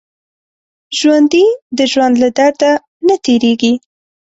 ژوندي د ژوند له درد نه تېرېږي